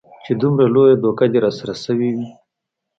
چې دومره لويه دوکه دې راسره سوې وي.